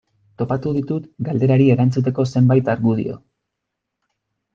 Topatu ditut galderari erantzuteko zenbait argudio.